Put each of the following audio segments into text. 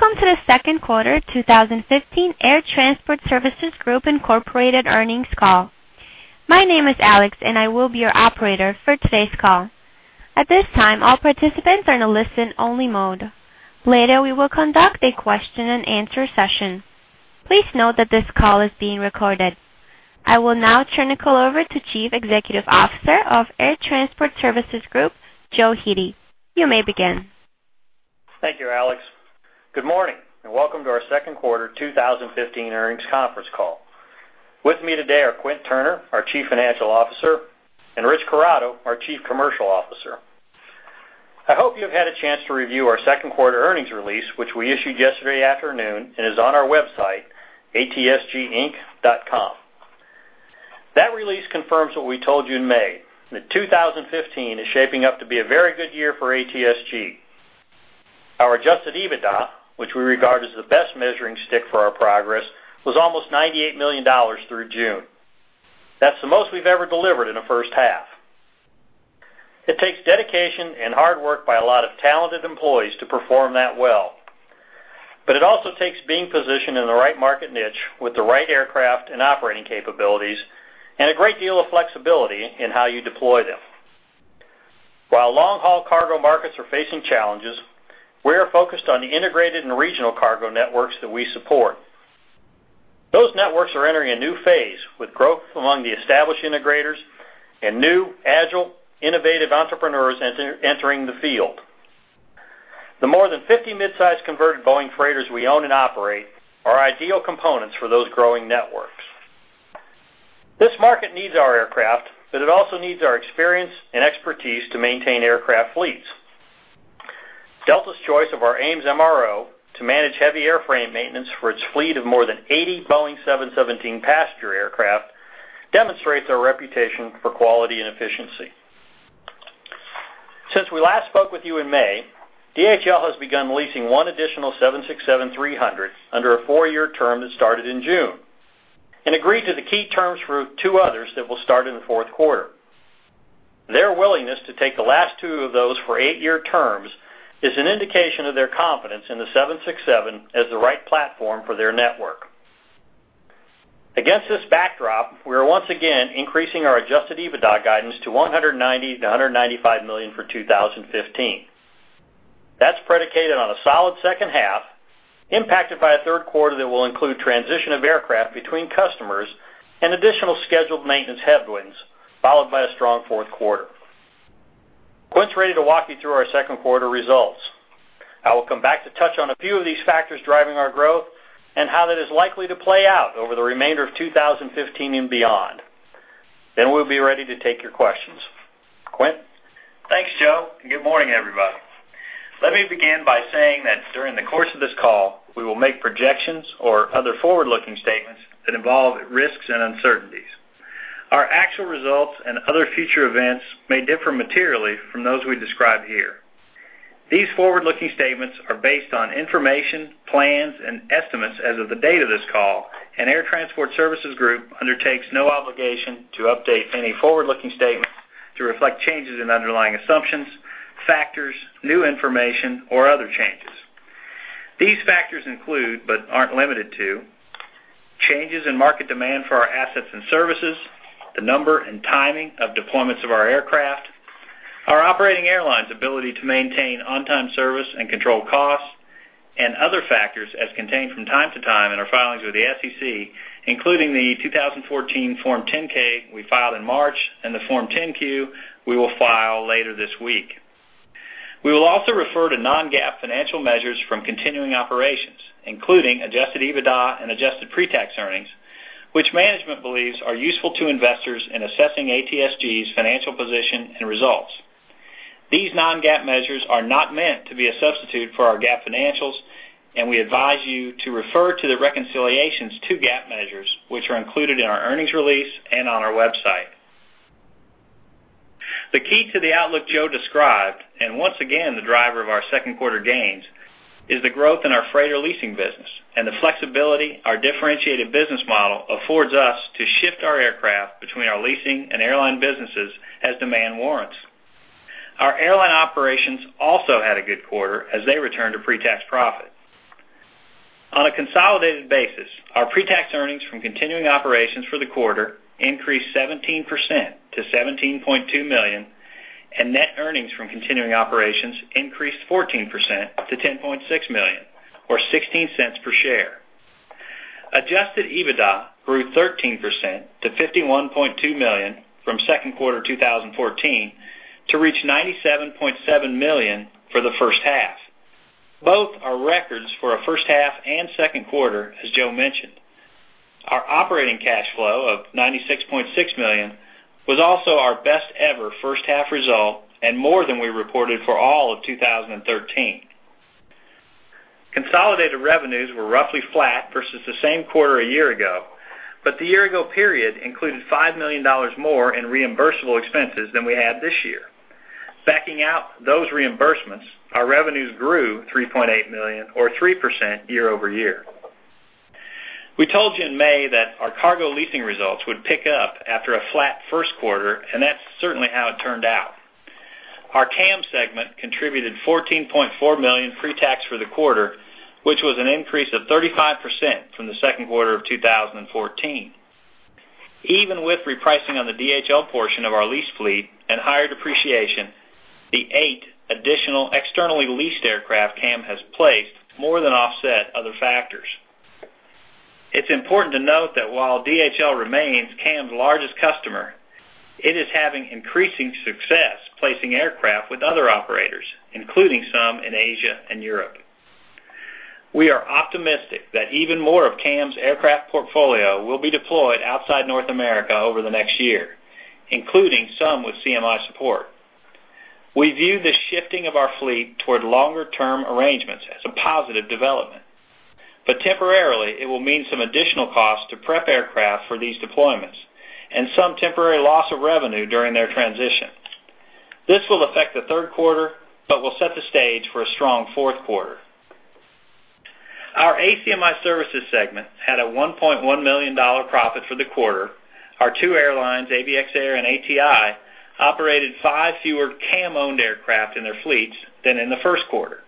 Welcome to the second quarter 2015 Air Transport Services Group, Inc. earnings call. My name is Alex, and I will be your operator for today's call. At this time, all participants are in a listen-only mode. Later, we will conduct a question-and-answer session. Please note that this call is being recorded. I will now turn the call over to Chief Executive Officer of Air Transport Services Group, Joe Hete. You may begin. Thank you, Alex. Good morning, and welcome to our second quarter 2015 earnings conference call. With me today are Quint Turner, our Chief Financial Officer, and Rich Corrado, our Chief Commercial Officer. I hope you have had a chance to review our second quarter earnings release, which we issued yesterday afternoon and is on our website, atsginc.com. That release confirms what we told you in May, that 2015 is shaping up to be a very good year for ATSG. Our Adjusted EBITDA, which we regard as the best measuring stick for our progress, was almost $98 million through June. That's the most we've ever delivered in a first half. It takes dedication and hard work by a lot of talented employees to perform that well. It also takes being positioned in the right market niche with the right aircraft and operating capabilities, and a great deal of flexibility in how you deploy them. While long-haul cargo markets are facing challenges, we are focused on the integrated and regional cargo networks that we support. Those networks are entering a new phase, with growth among the established integrators and new, agile, innovative entrepreneurs entering the field. The more than 50 mid-size converted Boeing freighters we own and operate are ideal components for those growing networks. This market needs our aircraft, but it also needs our experience and expertise to maintain aircraft fleets. Delta's choice of our AMES MRO to manage heavy airframe maintenance for its fleet of more than 80 Boeing 717 passenger aircraft demonstrates our reputation for quality and efficiency. Since we last spoke with you in May, DHL has begun leasing one additional 767-300 under a four-year term that started in June and agreed to the key terms for two others that will start in the fourth quarter. Their willingness to take the last two of those for eight-year terms is an indication of their confidence in the 767 as the right platform for their network. Against this backdrop, we are once again increasing our Adjusted EBITDA guidance to $190 million-$195 million for 2015. That's predicated on a solid second half, impacted by a third quarter that will include transition of aircraft between customers and additional scheduled maintenance headwinds, followed by a strong fourth quarter. Quint's ready to walk you through our second quarter results. I will come back to touch on a few of these factors driving our growth and how that is likely to play out over the remainder of 2015 and beyond. We'll be ready to take your questions. Quint? Thanks, Joe. Good morning, everybody. Let me begin by saying that during the course of this call, we will make projections or other forward-looking statements that involve risks and uncertainties. Our actual results and other future events may differ materially from those we describe here. These forward-looking statements are based on information, plans, and estimates as of the date of this call, Air Transport Services Group undertakes no obligation to update any forward-looking statements to reflect changes in underlying assumptions, factors, new information, or other changes. These factors include, but aren't limited to, changes in market demand for our assets and services, the number and timing of deployments of our aircraft, our operating airlines' ability to maintain on-time service and control costs, and other factors as contained from time to time in our filings with the SEC, including the 2014 Form 10-K we filed in March and the Form 10-Q we will file later this week. We will also refer to non-GAAP financial measures from continuing operations, including Adjusted EBITDA and adjusted pretax earnings, which management believes are useful to investors in assessing ATSG's financial position and results. These non-GAAP measures are not meant to be a substitute for our GAAP financials. We advise you to refer to the reconciliations to GAAP measures, which are included in our earnings release and on our website. The key to the outlook Joe described, once again, the driver of our second quarter gains, is the growth in our freighter leasing business and the flexibility our differentiated business model affords us to shift our aircraft between our leasing and airline businesses as demand warrants. Our airline operations also had a good quarter as they returned to pretax profit. On a consolidated basis, our pretax earnings from continuing operations for the quarter increased 17% to $17.2 million. Net earnings from continuing operations increased 14% to $10.6 million or $0.16 per share. Adjusted EBITDA grew 13% to $51.2 million from second quarter 2014 to reach $97.7 million for the first half. Both are records for a first half and second quarter, as Joe mentioned. Our operating cash flow of $96.6 million was also our best ever first half result and more than we reported for all of 2013. Consolidated revenues were roughly flat versus the same quarter a year ago, but the year-ago period included $5 million more in reimbursable expenses than we had this year. Backing out those reimbursements, our revenues grew $3.8 million or 3% year-over-year. We told you in May that our cargo leasing results would pick up after a flat first quarter, and that's certainly how it turned out. Our CAM segment contributed $14.4 million pre-tax for the quarter, which was an increase of 35% from the second quarter of 2014. Even with repricing on the DHL portion of our lease fleet and higher depreciation, the eight additional externally leased aircraft CAM has placed more than offset other factors. It's important to note that while DHL remains CAM's largest customer, it is having increasing success placing aircraft with other operators, including some in Asia and Europe. We are optimistic that even more of CAM's aircraft portfolio will be deployed outside North America over the next year, including some with CMI support. We view this shifting of our fleet toward longer term arrangements as a positive development. Temporarily, it will mean some additional costs to prep aircraft for these deployments and some temporary loss of revenue during their transition. This will affect the third quarter but will set the stage for a strong fourth quarter. Our ACMI services segment had a $1.1 million profit for the quarter. Our two airlines, ABX Air and ATI, operated five fewer CAM-owned aircraft in their fleets than in the first quarter.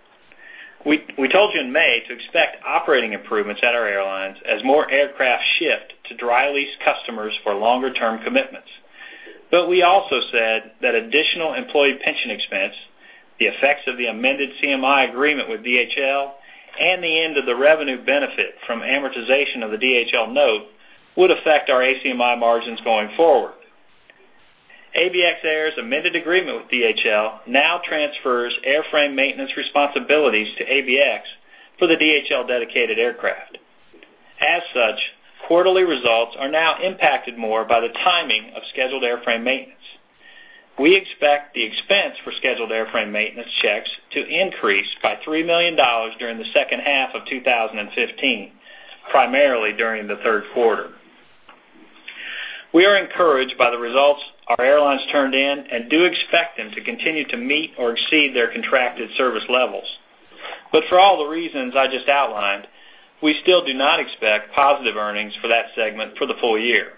We told you in May to expect operating improvements at our airlines as more aircraft shift to dry lease customers for longer term commitments. We also said that additional employee pension expense, the effects of the amended CMI agreement with DHL, and the end of the revenue benefit from amortization of the DHL note, would affect our ACMI margins going forward. ABX Air's amended agreement with DHL now transfers airframe maintenance responsibilities to ABX for the DHL dedicated aircraft. As such, quarterly results are now impacted more by the timing of scheduled airframe maintenance. We expect the expense for scheduled airframe maintenance checks to increase by $3 million during the second half of 2015, primarily during the third quarter. We are encouraged by the results our airlines turned in and do expect them to continue to meet or exceed their contracted service levels. For all the reasons I just outlined, we still do not expect positive earnings for that segment for the full year.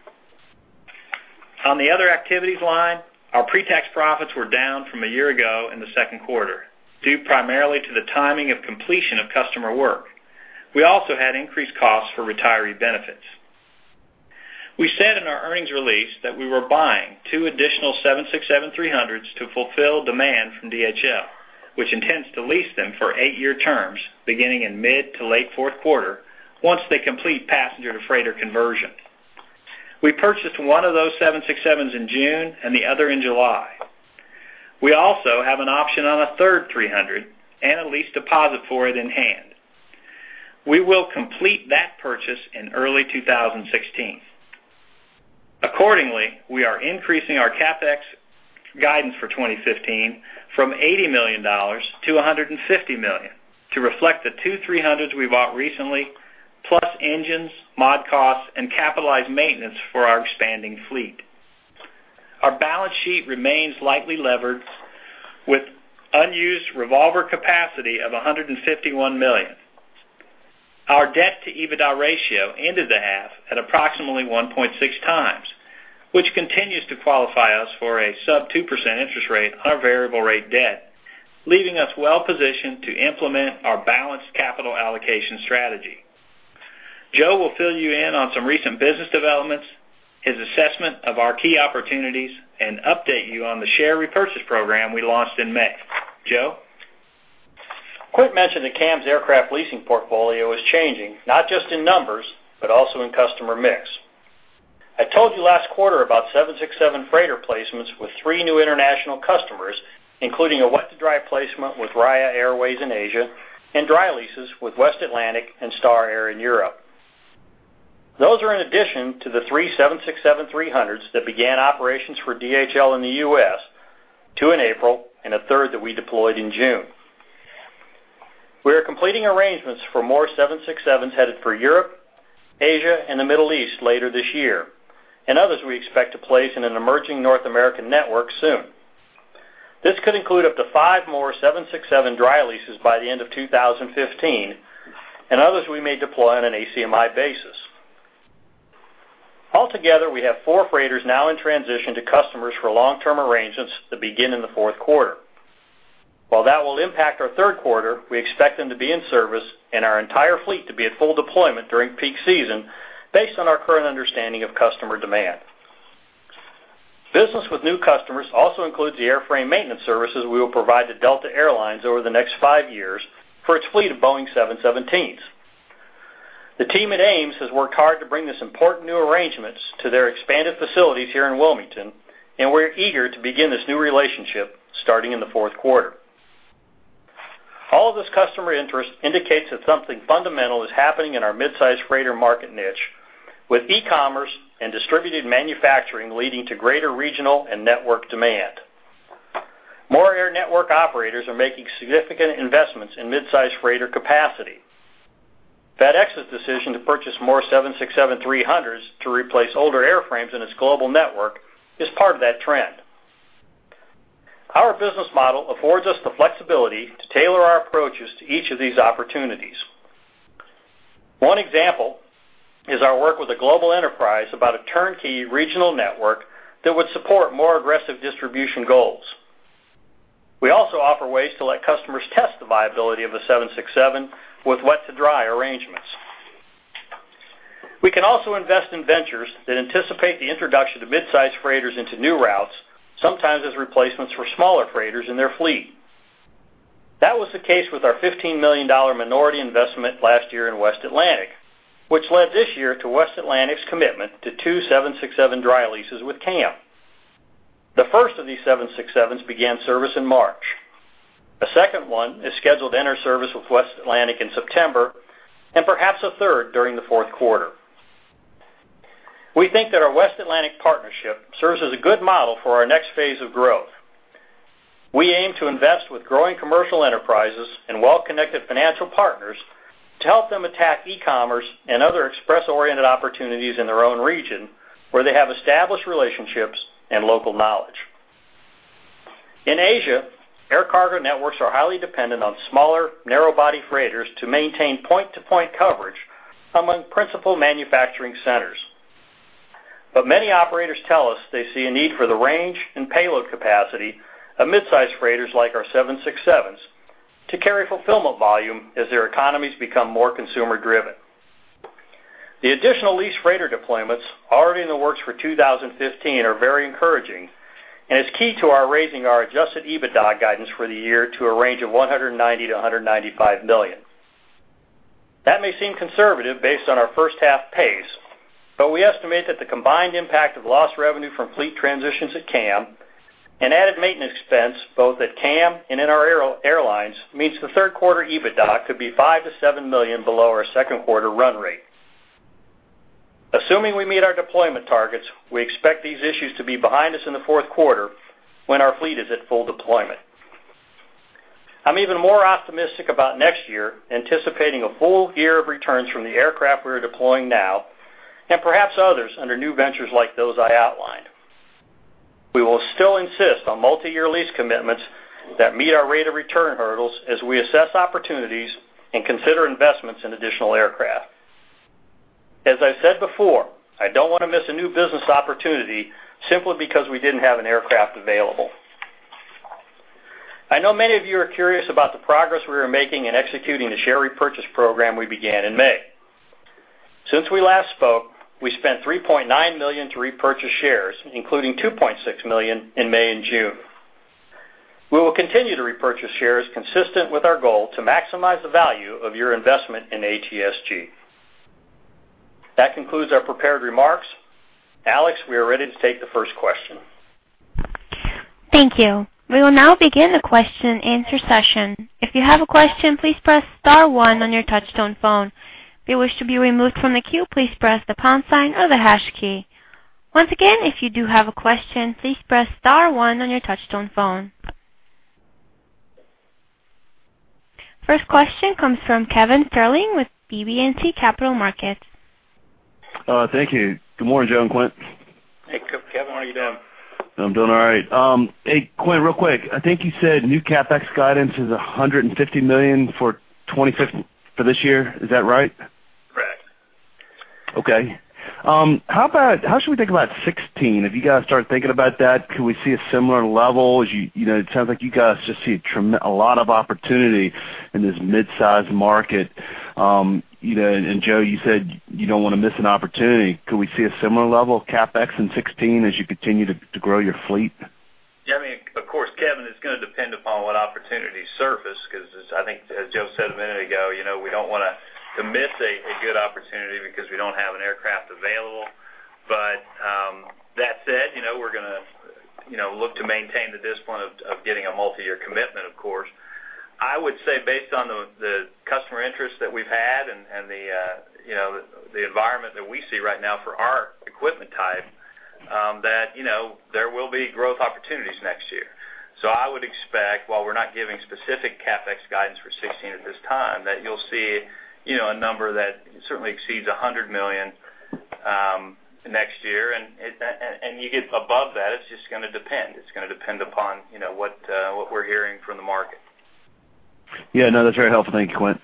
On the other activities line, our pre-tax profits were down from a year ago in the second quarter, due primarily to the timing of completion of customer work. We also had increased costs for retiree benefits. We said in our earnings release that we were buying two additional 767-300s to fulfill demand from DHL, which intends to lease them for eight-year terms, beginning in mid to late fourth quarter, once they complete passenger to freighter conversion. We purchased one of those 767s in June and the other in July. We also have an option on a third 300 and a lease deposit for it in hand. We will complete that purchase in early 2016. Accordingly, we are increasing our CapEx guidance for 2015 from $80 million to $150 million to reflect the two 300s we bought recently, plus engines, mod costs, and capitalized maintenance for our expanding fleet. Our balance sheet remains lightly levered with unused revolver capacity of $151 million. Our debt to EBITDA ratio ended the half at approximately 1.6 times, which continues to qualify us for a sub 2% interest rate on our variable rate debt, leaving us well-positioned to implement our balanced capital allocation strategy. Joe will fill you in on some recent business developments, his assessment of our key opportunities, and update you on the share repurchase program we launched in May. Joe? Quint mentioned that CAM's aircraft leasing portfolio is changing, not just in numbers, but also in customer mix. I told you last quarter about 767 freighter placements with three new international customers, including a wet to dry placement with Raya Airways in Asia and dry leases with West Atlantic and Star Air in Europe. Those are in addition to the three 767-300s that began operations for DHL in the U.S., two in April and a third that we deployed in June. We are completing arrangements for more 767s headed for Europe, Asia, and the Middle East later this year, others we expect to place in an emerging North American network soon. This could include up to five more 767 dry leases by the end of 2015 and others we may deploy on an ACMI basis. Altogether, we have four freighters now in transition to customers for long-term arrangements to begin in the fourth quarter. While that will impact our third quarter, we expect them to be in service and our entire fleet to be at full deployment during peak season based on our current understanding of customer demand. Business with new customers also includes the airframe maintenance services we will provide to Delta Air Lines over the next five years for its fleet of Boeing 717s. The team at AMES has worked hard to bring this important new arrangements to their expanded facilities here in Wilmington, we're eager to begin this new relationship starting in the fourth quarter. All this customer interest indicates that something fundamental is happening in our midsize freighter market niche with e-commerce and distributed manufacturing leading to greater regional and network demand. More air network operators are making significant investments in mid-size freighter capacity. FedEx's decision to purchase more 767-300s to replace older airframes in its global network is part of that trend. Our business model affords us the flexibility to tailor our approaches to each of these opportunities. One example is our work with a global enterprise about a turnkey regional network that would support more aggressive distribution goals. We also offer ways to let customers test the viability of a 767 with wet to dry arrangements. We can also invest in ventures that anticipate the introduction of mid-size freighters into new routes, sometimes as replacements for smaller freighters in their fleet. That was the case with our $15 million minority investment last year in West Atlantic, which led this year to West Atlantic's commitment to two 767 dry leases with CAM. The first of these 767s began service in March. A second one is scheduled to enter service with West Atlantic in September, perhaps a third during the fourth quarter. We think that our West Atlantic partnership serves as a good model for our next phase of growth. We aim to invest with growing commercial enterprises and well-connected financial partners to help them attack e-commerce and other express-oriented opportunities in their own region, where they have established relationships and local knowledge. In Asia, air cargo networks are highly dependent on smaller, narrow-body freighters to maintain point-to-point coverage among principal manufacturing centers. Many operators tell us they see a need for the range and payload capacity of mid-size freighters like our 767s to carry fulfillment volume as their economies become more consumer-driven. The additional lease freighter deployments already in the works for 2015 are very encouraging, and it's key to our raising our Adjusted EBITDA guidance for the year to a range of $190 million-$195 million. That may seem conservative based on our first half pace, but we estimate that the combined impact of lost revenue from fleet transitions at CAM and added maintenance expense, both at CAM and in our airlines, means the third quarter EBITDA could be $5 million-$7 million below our second quarter run rate. Assuming we meet our deployment targets, we expect these issues to be behind us in the fourth quarter, when our fleet is at full deployment. I'm even more optimistic about next year, anticipating a full year of returns from the aircraft we are deploying now, and perhaps others under new ventures like those I outlined. We will still insist on multi-year lease commitments that meet our rate of return hurdles as we assess opportunities and consider investments in additional aircraft. As I said before, I don't want to miss a new business opportunity simply because we didn't have an aircraft available. I know many of you are curious about the progress we are making in executing the share repurchase program we began in May. Since we last spoke, we spent $3.9 million to repurchase shares, including $2.6 million in May and June. We will continue to repurchase shares consistent with our goal to maximize the value of your investment in ATSG. That concludes our prepared remarks. Alex, we are ready to take the first question. Thank you. We will now begin the question and answer session. If you have a question, please press * one on your touchtone phone. If you wish to be removed from the queue, please press the pound sign or the hash key. Once again, if you do have a question, please press * one on your touchtone phone. First question comes from Kevin Sterling with BB&T Capital Markets. Thank you. Good morning, Joe Hete and Quint. Hey, Kevin Sterling. How are you doing? I'm doing all right. Hey, Quint, real quick, I think you said new CapEx guidance is $150 million for this year. Is that right? Correct. Okay. How should we think about 2016? Have you guys started thinking about that? Could we see a similar level? It sounds like you guys just see a lot of opportunity in this mid-size market. Joe, you said you don't want to miss an opportunity. Could we see a similar level of CapEx in 2016 as you continue to grow your fleet? Yeah, of course, Kevin, it's going to depend upon what opportunities surface, because as Joe said a minute ago, we don't want to miss a good opportunity because we don't have an aircraft available. That said, we're going to look to maintain the discipline of getting a multi-year commitment, of course. I would say based on the customer interest that we've had and the environment that we see right now for our equipment type, that there will be growth opportunities next year. I would expect, while we're not giving specific CapEx guidance for 2016 at this time, that you'll see a number that certainly exceeds $100 million next year. You get above that, it's just going to depend. It's going to depend upon what we're hearing from the market. Yeah, no, that's very helpful. Thank you, Quint.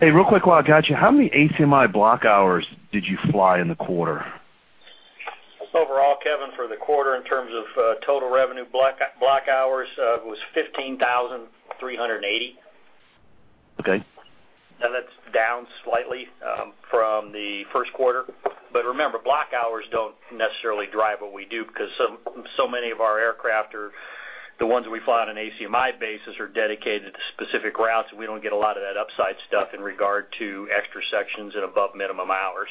Hey, real quick, while I got you, how many ACMI block hours did you fly in the quarter? Overall, Kevin, for the quarter, in terms of total revenue block hours, it was 15,380. Okay. That's down slightly from the first quarter. Remember, block hours don't necessarily drive what we do because so many of our aircraft are the ones we fly on an ACMI basis are dedicated to specific routes, and we don't get a lot of that upside stuff in regard to extra sections and above minimum hours.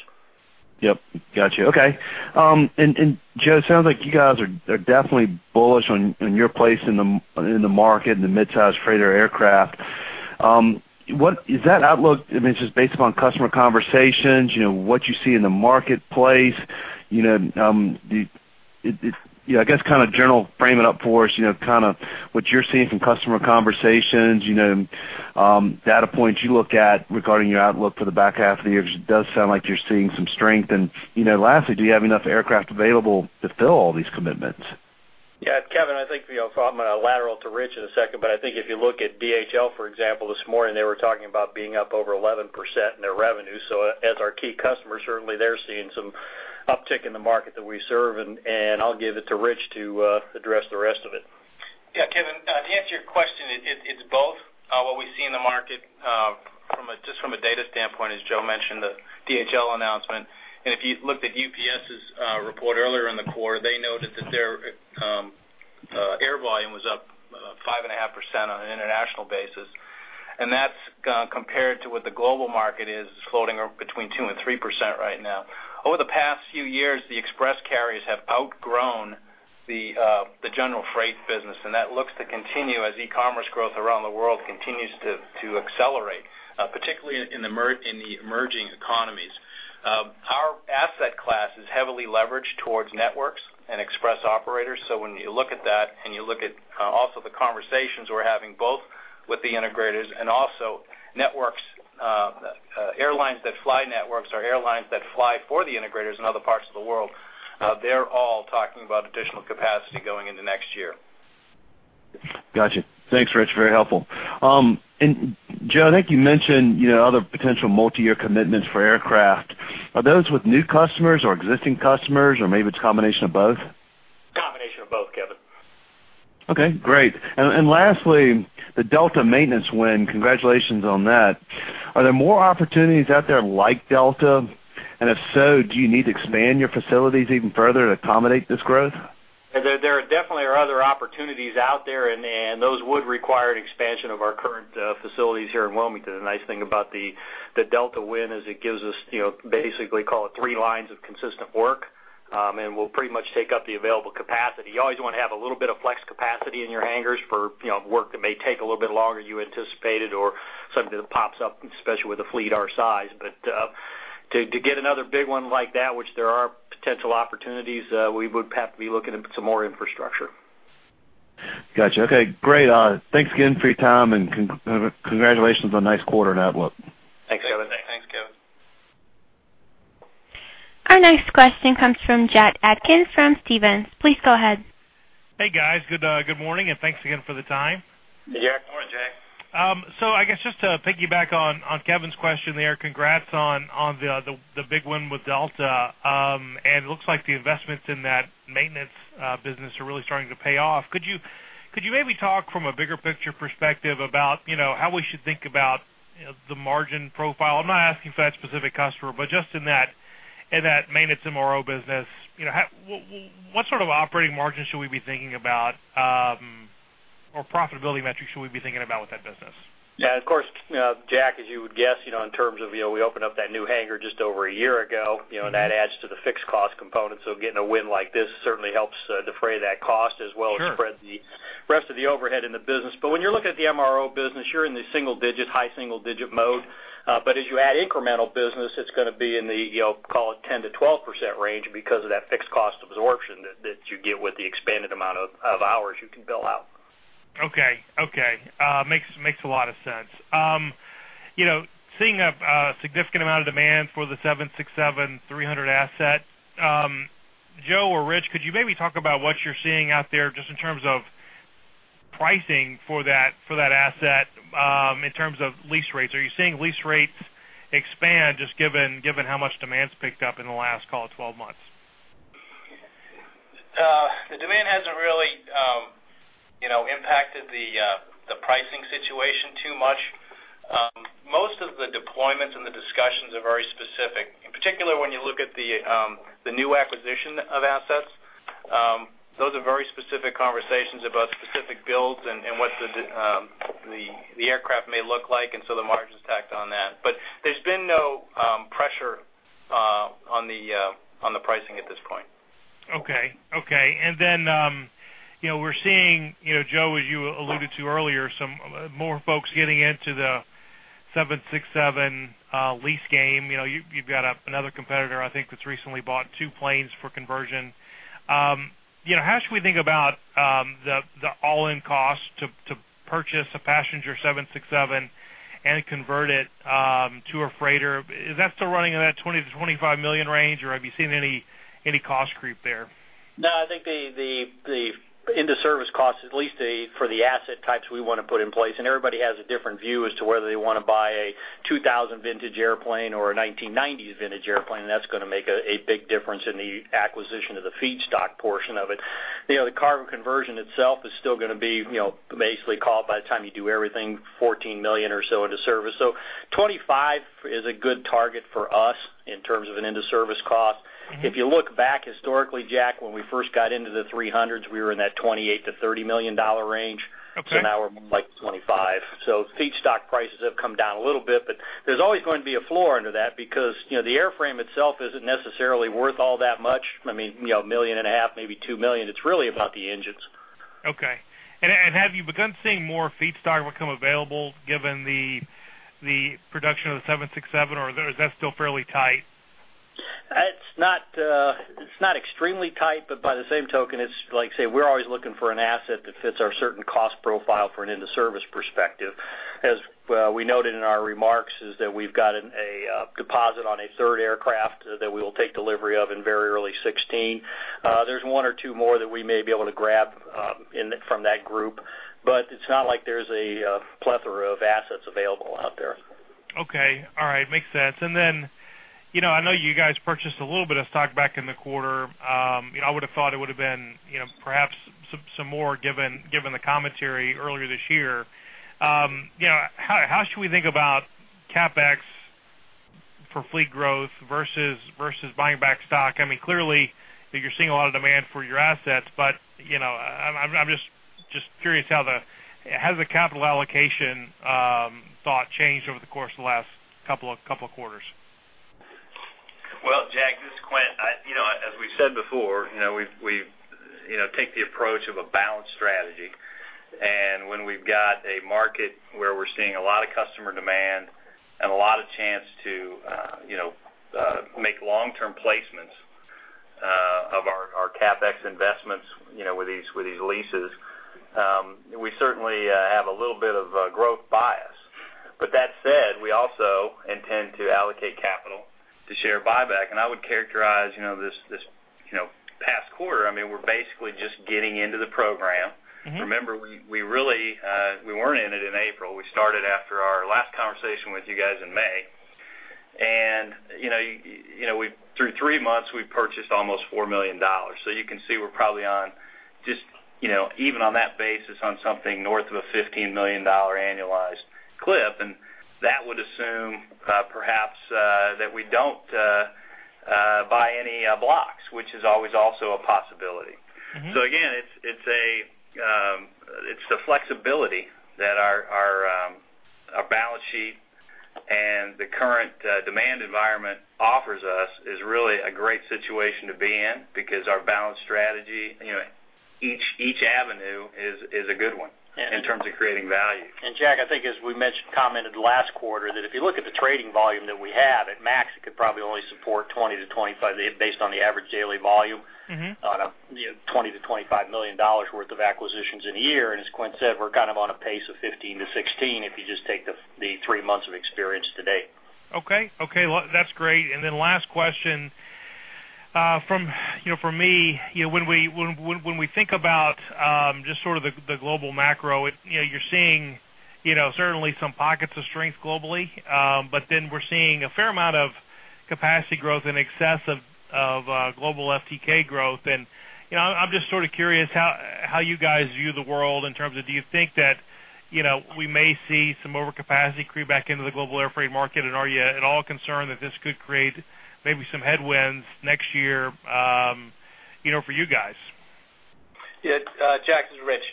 Yep. Got you. Okay. Joe, it sounds like you guys are definitely bullish on your place in the market in the mid-size freighter aircraft. Is that outlook just based upon customer conversations, what you see in the marketplace? I guess, kind of general frame it up for us, what you're seeing from customer conversations and data points you look at regarding your outlook for the back half of the year. It does sound like you're seeing some strength. Lastly, do you have enough aircraft available to fill all these commitments? Yeah, Kevin, I think, I'm going to lateral to Rich in a second, but I think if you look at DHL, for example, this morning, they were talking about being up over 11% in their revenue. As our key customer, certainly they're seeing some uptick in the market that we serve. I'll give it to Rich to address the rest of it. Yeah, Kevin, to answer your question, it's both. What we see in the market, just from a data standpoint, as Joe mentioned, the DHL announcement. If you looked at UPS's report earlier in the quarter, they noted that their air volume was up 5.5% on an international basis. That's compared to what the global market is floating between 2% and 3% right now. Over the past few years, the express carriers have outgrown the general freight business, and that looks to continue as e-commerce growth around the world continues to accelerate, particularly in the emerging economies. Our asset class is heavily leveraged towards networks and express operators. When you look at that and you look at also the conversations we're having, both with the integrators and also networks, airlines that fly networks or airlines that fly for the integrators in other parts of the world, they're all talking about additional capacity going into next year. Got you. Thanks, Rich. Very helpful. Joe, I think you mentioned, other potential multi-year commitments for aircraft. Are those with new customers or existing customers, or maybe it's a combination of both? Combination of both, Kevin. Okay, great. Lastly, the Delta maintenance win. Congratulations on that. Are there more opportunities out there like Delta? If so, do you need to expand your facilities even further to accommodate this growth? There definitely are other opportunities out there, and those would require an expansion of our current facilities here in Wilmington. The nice thing about the Delta win is it gives us, basically call it three lines of consistent work, and we'll pretty much take up the available capacity. You always want to have a little bit of flex capacity in your hangars for work that may take a little bit longer than you anticipated or something that pops up, especially with a fleet our size. To get another big one like that, which there are potential opportunities, we would have to be looking at some more infrastructure. Got you. Okay, great. Thanks again for your time, and congratulations on a nice quarter and outlook. Thanks, Kevin. Our next question comes from Jack Atkins from Stephens. Please go ahead. Hey, guys. Good morning, and thanks again for the time. Yeah. Good morning, Jack. I guess just to piggyback on Kevin's question there, congrats on the big win with Delta. It looks like the investments in that maintenance business are really starting to pay off. Could you maybe talk from a bigger picture perspective about how we should think about the margin profile? I'm not asking for that specific customer, but just in that maintenance MRO business, what sort of operating margin should we be thinking about, or profitability metrics should we be thinking about with that business? Yeah, of course, Jack, as you would guess, in terms of we opened up that new hangar just over a year ago. That adds to the fixed cost component. Getting a win like this certainly helps defray that cost as well as spread the rest of the overhead in the business. When you're looking at the MRO business, you're in the single-digit, high single-digit mode. As you add incremental business, it's going to be in the, call it 10%-12% range because of that fixed cost absorption that you get with the expanded amount of hours you can bill out. Okay. Makes a lot of sense. Seeing a significant amount of demand for the 767-300 asset, Joe or Rich, could you maybe talk about what you're seeing out there just in terms of pricing for that asset in terms of lease rates? Are you seeing lease rates expand just given how much demand's picked up in the last, call it 12 months? The demand hasn't really impacted the pricing situation too much. Most of the deployments and the discussions are very specific. In particular, when you look at the new acquisition of assets, those are very specific conversations about specific builds and what the aircraft may look like. The margin's tacked on that. There's been no pressure on the pricing at this point. Okay. We're seeing, Joe, as you alluded to earlier, some more folks getting into the Boeing 767 lease game. You've got another competitor, I think, that's recently bought two planes for conversion. How should we think about the all-in cost to purchase a passenger Boeing 767 and convert it to a freighter? Is that still running in that $20 million-$25 million range, or have you seen any cost creep there? No, I think the into service cost, at least for the asset types we want to put in place, everybody has a different view as to whether they want to buy a 2000 vintage airplane or a 1990s vintage airplane. That's going to make a big difference in the acquisition of the feedstock portion of it. The cargo conversion itself is still going to be, basically call it by the time you do everything, $14 million or so into service. $25 million is a good target for us in terms of an into service cost. If you look back historically, Jack, when we first got into the 300s, we were in that $28 million-$30 million range. Okay. Now we're more like $25 million. Feedstock prices have come down a little bit, but there's always going to be a floor under that because the airframe itself isn't necessarily worth all that much. A million and a half, maybe $2 million. It's really about the engines. Okay. Have you begun seeing more feedstock become available given the production of the Boeing 767, or is that still fairly tight? It's not extremely tight, but by the same token, it's like, say, we're always looking for an asset that fits our certain cost profile for an in-the-service perspective. As we noted in our remarks, is that we've got a deposit on a third aircraft that we will take delivery of in very early 2016. There's one or two more that we may be able to grab from that group, but it's not like there's a plethora of assets available out there. Okay. All right. Makes sense. I know you guys purchased a little bit of stock back in the quarter. I would have thought it would have been perhaps some more, given the commentary earlier this year. How should we think about CapEx for fleet growth versus buying back stock? Clearly, you're seeing a lot of demand for your assets, but I'm just curious how the capital allocation thought changed over the course of the last couple of quarters. Well, Jack, this is Quint. As we said before, we take the approach of a balanced strategy, and when we've got a market where we're seeing a lot of customer demand and a lot of chance to make long-term placements of our CapEx investments with these leases, we certainly have a little bit of a growth bias. That said, we also intend to allocate capital to share buyback. I would characterize this past quarter, we're basically just getting into the program. Remember, we weren't in it in April. We started after our last conversation with you guys in May. Through three months, we purchased almost $4 million. You can see we're probably on, just even on that basis, on something north of a $15 million annualized clip, and that would assume perhaps that we don't buy any blocks, which is always also a possibility. Again, it's the flexibility that our balance sheet and the current demand environment offers us is really a great situation to be in because our balanced strategy, each avenue is a good one in terms of creating value. Jack, I think as we commented last quarter, that if you look at the trading volume that we have, at max, it could probably only support 20-25, based on the average daily volume. $20 million-$25 million worth of acquisitions in a year. As Quint said, we're kind of on a pace of 15-16, if you just take the three months of experience to date. Okay. That's great. Last question. From me, when we think about just sort of the global macro, you're seeing certainly some pockets of strength globally. We're seeing a fair amount of capacity growth in excess of global FTK growth, and I'm just sort of curious how you guys view the world in terms of, do you think that we may see some overcapacity creep back into the global air freight market? Are you at all concerned that this could create maybe some headwinds next year for you guys? Yeah. Jack, this is Rich.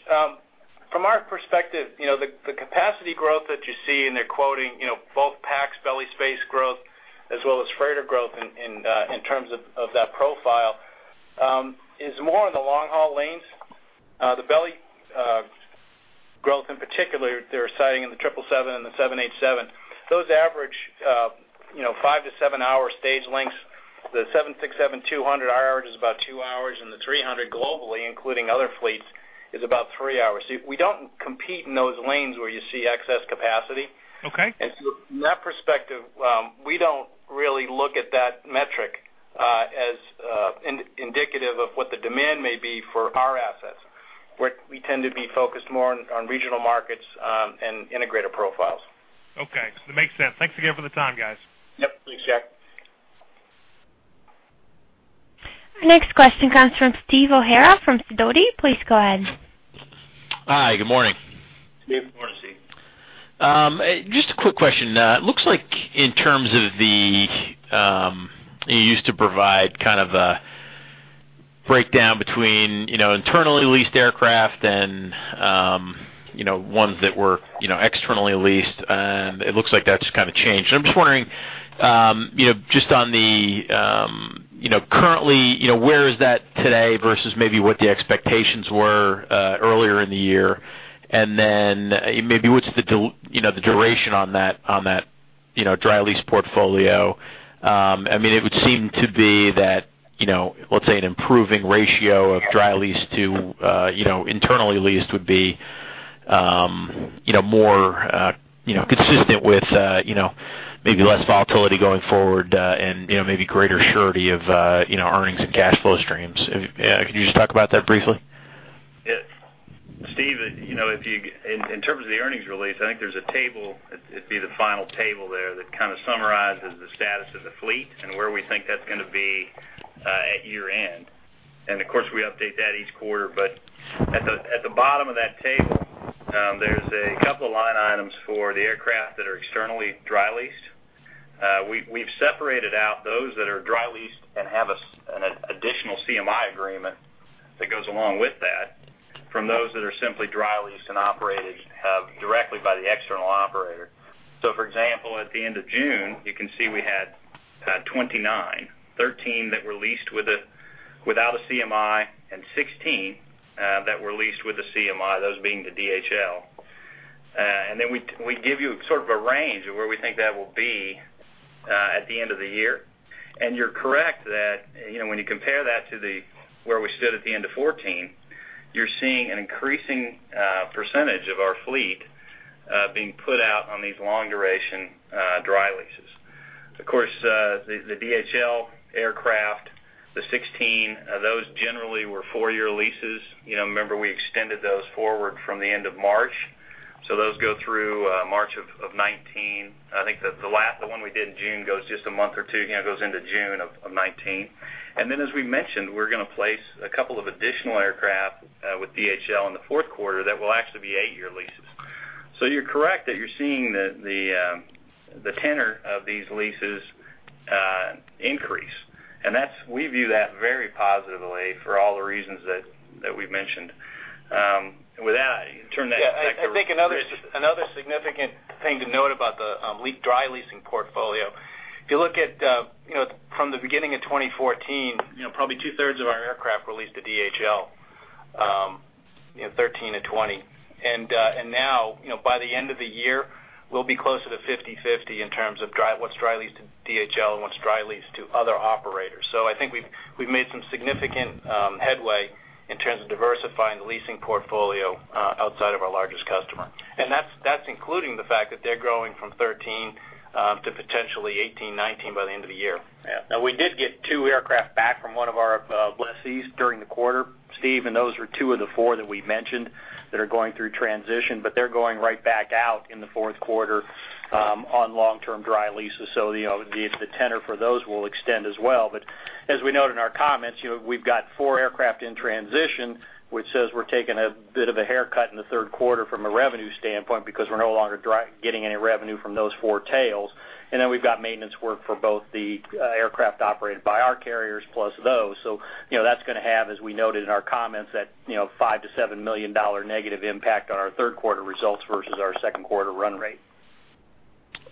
From our perspective, the capacity growth that you see, and they're quoting both PAX belly space growth as well as freighter growth in terms of that profile, is more in the long-haul lanes. The belly growth in particular, they're citing in the 777 and the 787. Those average five to seven-hour stage lengths. The 767-200, our average is about two hours, and the 300 globally, including other fleets, is about three hours. We don't compete in those lanes where you see excess capacity. Okay. From that perspective, we don't really look at that metric as indicative of what the demand may be for our assets. We tend to be focused more on regional markets and integrator profiles. Okay. That makes sense. Thanks again for the time, guys. Yep. Thanks, Jack. Our next question comes from Steve O'Hara from Sidoti & Company. Please go ahead. Hi. Good morning. Good morning, Steve. Just a quick question. It looks like in terms of the, you used to provide kind of a breakdown between internally leased aircraft and ones that were externally leased, and it looks like that's kind of changed. I'm just wondering, just on the currently, where is that today versus maybe what the expectations were earlier in the year? Maybe what's the duration on that dry lease portfolio? It would seem to be that, let's say, an improving ratio of dry lease to internally leased would be more consistent with maybe less volatility going forward, and maybe greater surety of earnings and cash flow streams. Could you just talk about that briefly? Steve, in terms of the earnings release, I think there's a table, it'd be the final table there that kind of summarizes the status of the fleet and where we think that's going to be at year-end. Of course, we update that each quarter. At the bottom of that table, there's a couple of line items for the aircraft that are externally dry leased. We've separated out those that are dry leased and have an additional CMI agreement that goes along with that, from those that are simply dry leased and operated directly by the external operator. For example, at the end of June, you can see we had 29. 13 that were leased without a CMI, and 16 that were leased with a CMI, those being the DHL. Then we give you sort of a range of where we think that will be at the end of the year. You're correct that when you compare that to where we stood at the end of 2014, you're seeing an increasing percentage of our fleet being put out on these long duration dry leases. Of course, the DHL aircraft, the 16, those generally were four-year leases. Remember we extended those forward from the end of March, so those go through March of 2019. I think the one we did in June goes just a month or two, goes into June of 2019. Then as we mentioned, we're going to place a couple of additional aircraft with DHL in the fourth quarter that will actually be eight-year leases. You're correct that you're seeing the tenor of these leases increase. We view that very positively for all the reasons that we've mentioned. With that, turn that back over to Rich. I think another significant thing to note about the dry leasing portfolio, if you look at from the beginning of 2014, probably two-thirds of our aircraft were leased to DHL, 13 to 20. Now, by the end of the year, we'll be closer to 50/50 in terms of what's dry leased to DHL and what's dry leased to other operators. I think we've made some significant headway in terms of diversifying the leasing portfolio outside of our largest customer. That's including the fact that they're growing from 13 to potentially 18, 19 by the end of the year. We did get two aircraft back from one of our lessees during the quarter, Steve, those were two of the four that we mentioned that are going through transition, but they're going right back out in the fourth quarter on long-term dry leases. The tenor for those will extend as well. As we noted in our comments, we've got four aircraft in transition, which says we're taking a bit of a haircut in the third quarter from a revenue standpoint because we're no longer getting any revenue from those four tails. Then we've got maintenance work for both the aircraft operated by our carriers plus those. That's going to have, as we noted in our comments, that $5 million-$7 million negative impact on our third quarter results versus our second quarter run rate.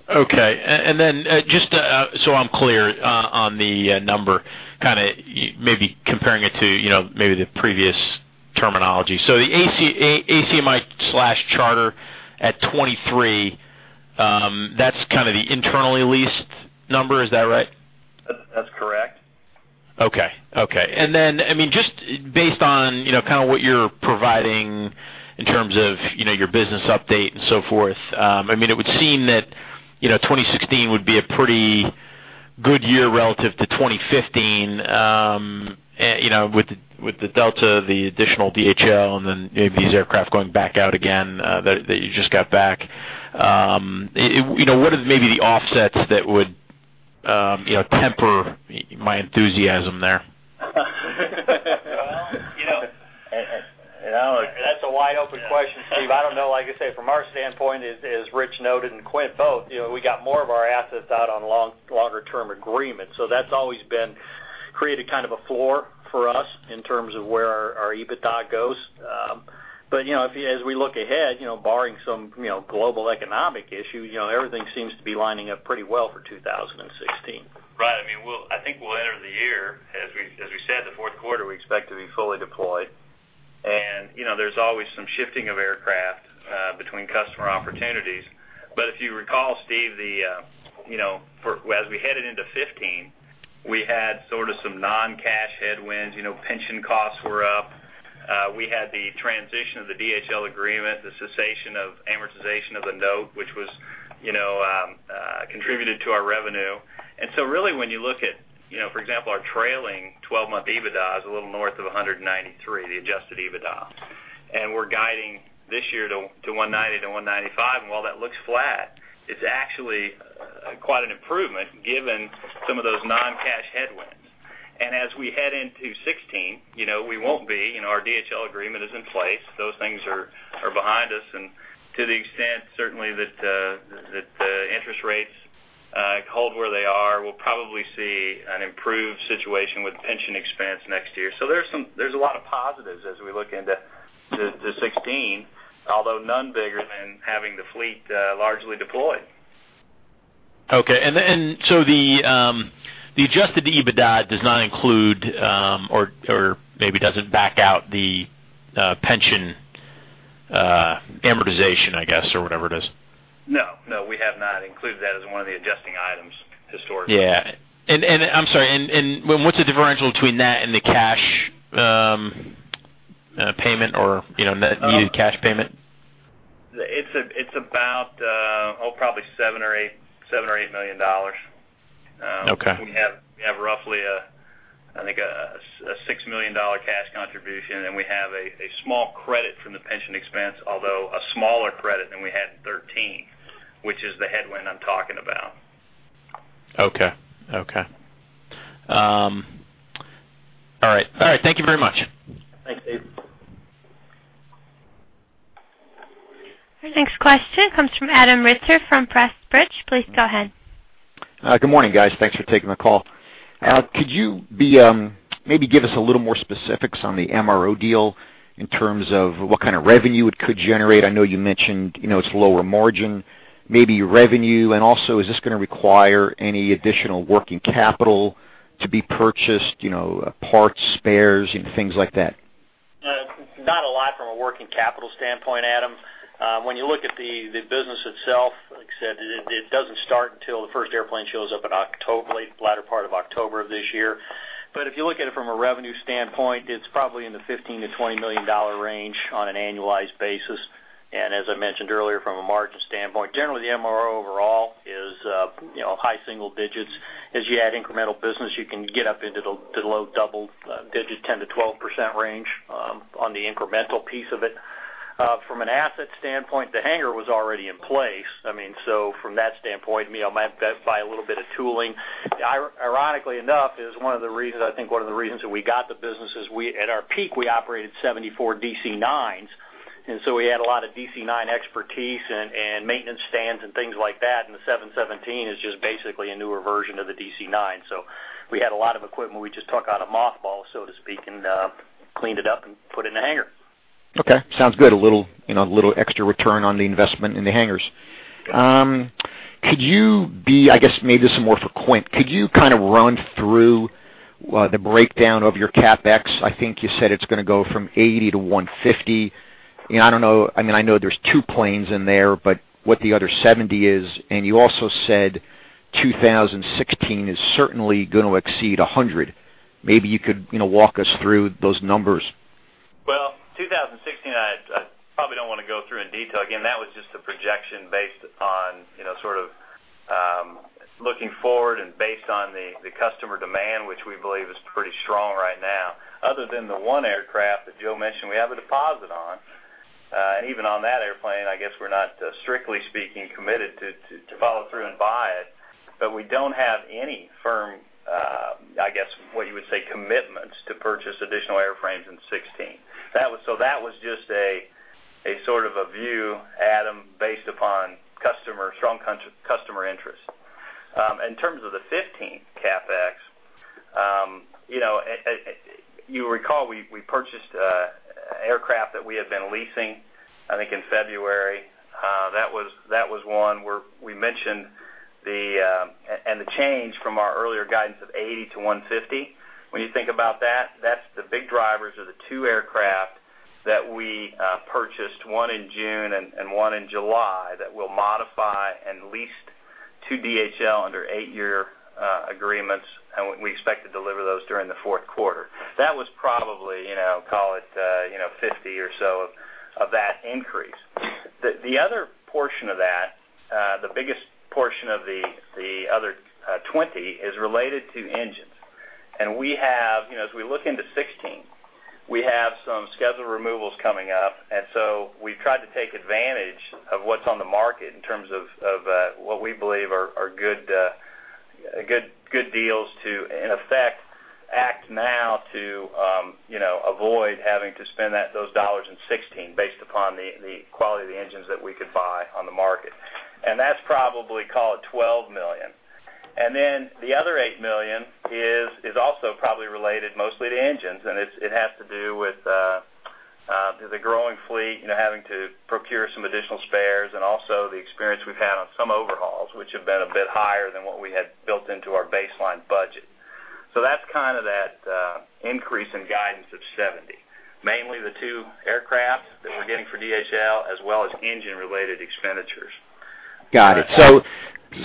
Okay. Just so I'm clear on the number, kind of maybe comparing it to maybe the previous terminology. The ACMI/charter at 23, that's kind of the internally leased number, is that right? That's correct. Okay. Just based on kind of what you're providing in terms of your business update and so forth, it would seem that 2016 would be a pretty good year relative to 2015, with the Delta, the additional DHL, these aircraft going back out again that you just got back. What are maybe the offsets that would temper my enthusiasm there? Well, that's a wide open question, Steve. I don't know. Like I say, from our standpoint, as Rich noted, and Quint both, we got more of our assets out on longer term agreements. That's always created kind of a floor for us in terms of where our EBITDA goes. As we look ahead, barring some global economic issue, everything seems to be lining up pretty well for 2016. Right. I think we'll enter the year, as we said, the fourth quarter, we expect to be fully deployed. There's always some shifting of aircraft between customer opportunities. If you recall, Steve, as we headed into 2015, we had sort of some non-cash headwinds. Pension costs were up. We had the transition of the DHL agreement, the cessation of amortization of the note, which contributed to our revenue. Really when you look at, for example, our trailing 12-month EBITDA is a little north of $193, the Adjusted EBITDA. We're guiding this year to $190 to $195, and while that looks flat, it's actually quite an improvement given some of those non-cash headwinds. As we head into 2016, we won't be. Our DHL agreement is in place. Those things are behind us, and to the extent, certainly, that the interest rates hold where they are, we'll probably see an improved situation with pension expense next year. There's a lot of positives as we look into 2016, although none bigger than having the fleet largely deployed. Okay. The Adjusted EBITDA does not include or maybe doesn't back out the pension amortization, I guess, or whatever it is. No. We have not included that as one of the adjusting items historically. Yeah. I'm sorry, what's the differential between that and the cash payment or needed cash payment? It's about, probably $7 or $8 million. Okay. We have roughly, I think, a $6 million cash contribution, and we have a small credit from the pension expense, although a smaller credit than we had in 2013, which is the headwind I'm talking about. Okay. All right. Thank you very much. Thanks, Steve. Next question comes from Adam Ritzer from R.W. Pressprich & Co. Please go ahead. Good morning, guys. Thanks for taking the call. Could you maybe give us a little more specifics on the MRO deal in terms of what kind of revenue it could generate? I know you mentioned it's lower margin, maybe revenue, and also, is this going to require any additional working capital to be purchased, parts, spares, and things like that? Not a lot from a working capital standpoint, Adam. When you look at the business itself, like I said, it doesn't start until the first airplane shows up in the latter part of October of this year. If you look at it from a revenue standpoint, it's probably in the $15 million-$20 million range on an annualized basis. As I mentioned earlier, from a margin standpoint, generally the MRO overall is high single digits. As you add incremental business, you can get up into the low double digit, 10%-12% range, on the incremental piece of it. From an asset standpoint, the hangar was already in place. From that standpoint, you might buy a little bit of tooling. Ironically enough, I think one of the reasons that we got the business is, at our peak, we operated 74 DC-9s. We had a lot of DC-9 expertise, and maintenance stands, and things like that. The 717 is just basically a newer version of the DC-9. We had a lot of equipment we just took out of mothballs, so to speak, and cleaned it up and put it in a hangar. Okay. Sounds good. A little extra return on the investment in the hangars. Yeah. Could you be, I guess maybe this is more for Quint, could you kind of run through the breakdown of your CapEx? I think you said it's going to go from $80 to $150. I know there's two planes in there, but what the other $70 is, and you also said 2016 is certainly going to exceed $100. Maybe you could walk us through those numbers. 2016, I probably don't want to go through in detail. Again, that was just a projection based on sort of looking forward and based on the customer demand, which we believe is pretty strong right now. Other than the one aircraft that Joe mentioned we have a deposit on, and even on that airplane, I guess we're not strictly speaking committed to follow through and buy it, but we don't have any firm, I guess, what you would say, commitments to purchase additional airframes in 2016. That was just a sort of a view, Adam, based upon strong customer interest. In terms of the 2015 CapEx, you recall we purchased aircraft that we had been leasing, I think, in February. That was one where we mentioned, and the change from our earlier guidance of $80 to $150. When you think about that's the big drivers of the two aircraft that we purchased, one in June and one in July, that we'll modify and lease to DHL under eight-year agreements, and we expect to deliver those during the fourth quarter. That was probably, call it, $50 or so of that increase. The other portion of that, the biggest portion of the other $20, is related to engines. As we look into 2016, we have some scheduled removals coming up, we've tried to take advantage of what's on the market in terms of what we believe are good deals to, in effect, act now to avoid having to spend those dollars in 2016, based upon the quality of the engines that we could buy on the market. That's probably, call it, $12 million. The other $8 million is also probably related mostly to engines, and it has to do with the growing fleet, having to procure some additional spares, and also the experience we've had on some overhauls, which have been a bit higher than what we had built into our baseline budget. That's kind of that increase in guidance of $70 million, mainly the two aircraft that we're getting for DHL, as well as engine-related expenditures. Got it.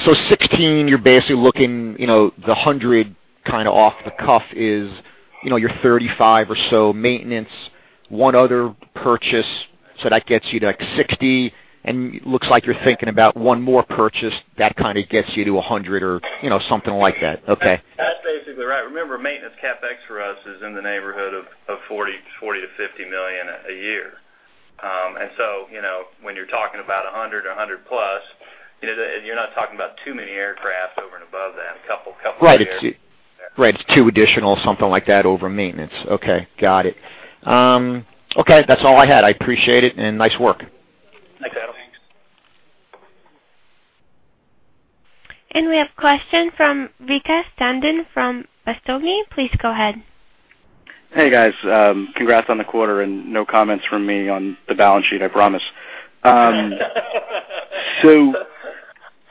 2016, you're basically looking, the $100 million kind of off the cuff is your $35 million or so maintenance, one other purchase. That gets you to, like, $60 million, and looks like you're thinking about one more purchase. That kind of gets you to $100 million or something like that. Okay. That's basically right. Remember, maintenance CapEx for us is in the neighborhood of $40 million-$50 million a year. When you're talking about $100 million or $100 million plus, you're not talking about too many aircraft over and above that. A couple a year. Right. It's two additional, something like that, over maintenance. Okay. Got it. Okay. That's all I had. I appreciate it, and nice work. Thanks, Adam Ritzer. Thanks. We have a question from Vikas Sandhu from BofAML. Please go ahead. Hey, guys. Congrats on the quarter, no comments from me on the balance sheet, I promise.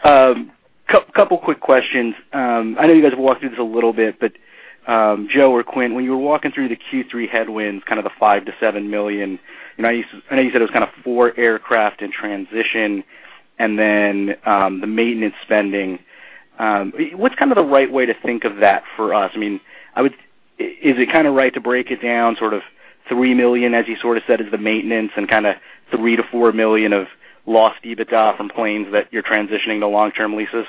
Couple quick questions. I know you guys have walked through this a little bit, but Joe or Quint, when you were walking through the Q3 headwinds, kind of the $5 million-$7 million, I know you said it was kind of four aircraft in transition, and then the maintenance spending. What's kind of the right way to think of that for us? Is it kind of right to break it down, sort of, $3 million, as you sort of said, is the maintenance, and kind of $3 million-$4 million of lost EBITDA from planes that you're transitioning to long-term leases?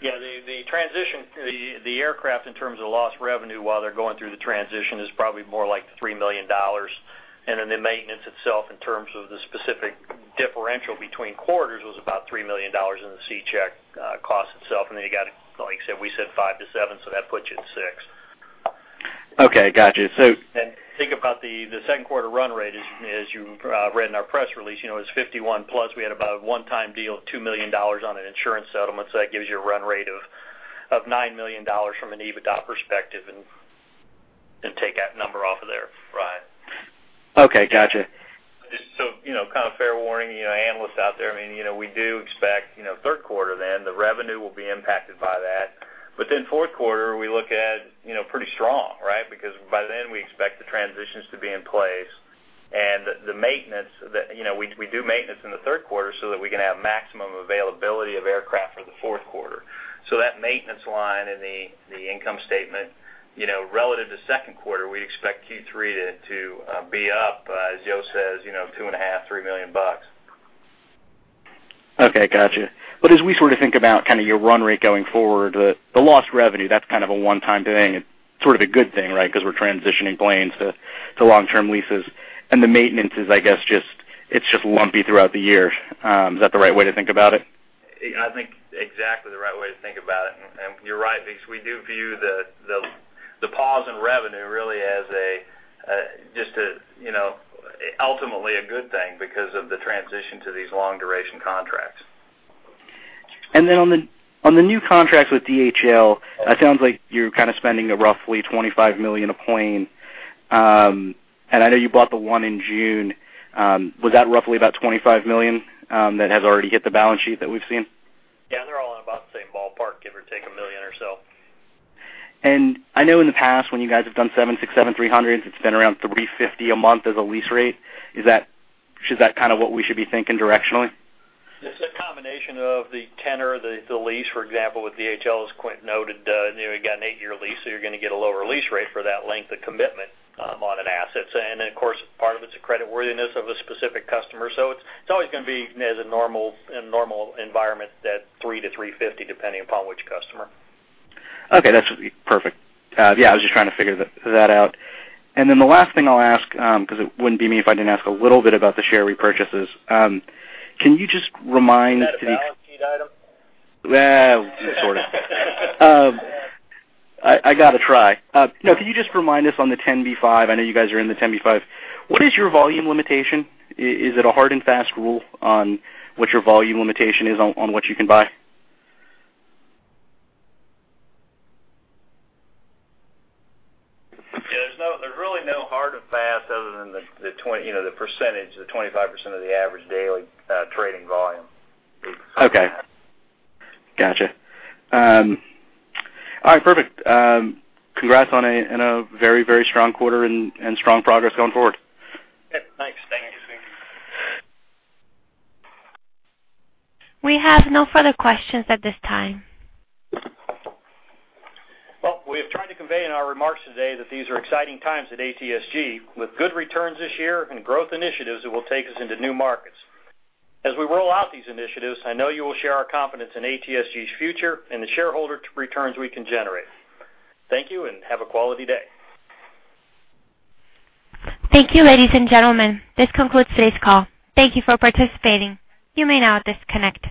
Yeah. The aircraft, in terms of the lost revenue while they're going through the transition, is probably more like $3 million. Then the maintenance itself, in terms of the specific differential between quarters, was about $3 million in the C check cost itself. Then, like you said, we said $5 million-$7 million, so that puts you at $6 million. Okay, got you. Think about the second quarter run rate as you read in our press release. It was $51, plus we had about a one-time deal of $2 million on an insurance settlement. That gives you a run rate of $9 million from an EBITDA perspective, and take that number off of there. Right. Okay, got you. Kind of fair warning, analysts out there. We do expect third quarter then, the revenue will be impacted by that. Fourth quarter, we look at pretty strong. By then we expect the transitions to be in place and we do maintenance in the third quarter so that we can have maximum availability of aircraft for the fourth quarter. That maintenance line in the income statement, relative to second quarter, we expect Q3 to be up, as Joe says, two and a half million dollars, $3 million. Got you. As we sort of think about kind of your run rate going forward, the lost revenue, that's kind of a one-time thing. It's sort of a good thing, right? Because we're transitioning planes to long-term leases, and the maintenance, I guess, it's just lumpy throughout the year. Is that the right way to think about it? I think exactly the right way to think about it. You're right because we do view the pause in revenue really as ultimately a good thing because of the transition to these long-duration contracts. On the new contracts with DHL, it sounds like you're kind of spending roughly $25 million a plane. I know you bought the one in June. Was that roughly about $25 million that has already hit the balance sheet that we've seen? Yeah. They're all in about the same ballpark, give or take $1 million or so. I know in the past when you guys have done 767-300s, it's been around $350 a month as a lease rate. Is that kind of what we should be thinking directionally? It's a combination of the tenor, the lease, for example, with DHL, as Quint noted, you've got an eight-year lease, you're going to get a lower lease rate for that length of commitment on an asset. Then, of course, part of it's the credit worthiness of a specific customer. It's always going to be, in a normal environment, that $300 to $350, depending upon which customer. Okay. That's perfect. Yeah, I was just trying to figure that out. Then the last thing I'll ask, because it wouldn't be me if I didn't ask a little bit about the share repurchases. Can you just remind me? Is that a balance sheet item? Sort of. I got to try. Can you just remind us on the 10b5-1, I know you guys are in the 10b5-1, what is your volume limitation? Is it a hard and fast rule on what your volume limitation is on what you can buy? There's really no hard and fast other than the percentage, the 25% of the average daily trading volume. Okay. Got you. All right, perfect. Congrats on a very strong quarter and strong progress going forward. Yeah, thanks. Thanks. We have no further questions at this time. Well, we have tried to convey in our remarks today that these are exciting times at ATSG, with good returns this year and growth initiatives that will take us into new markets. As we roll out these initiatives, I know you will share our confidence in ATSG's future and the shareholder returns we can generate. Thank you and have a quality day. Thank you, ladies and gentlemen. This concludes today's call. Thank you for participating. You may now disconnect.